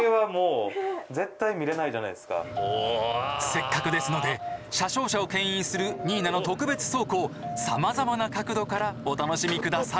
せっかくですので車掌車をけん引するニーナの特別走行さまざまな角度からお楽しみ下さい。